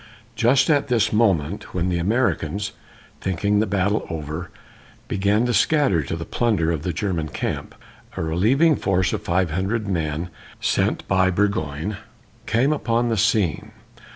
Just at this moment, when the Americans, thinking the battle over, began to scatter to the plunder of the German camp, a relieving force of five hundred men, sent by Burgoyne, came upon the scene.